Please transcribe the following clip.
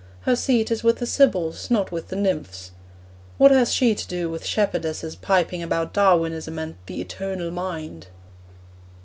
Her seat is with the sibyls, not with the nymphs. What has she to do with shepherdesses piping about Darwinism and 'The Eternal Mind'?